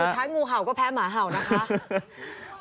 สุดท้ายงูเห่าก็แพ้หมาเห่านะคะ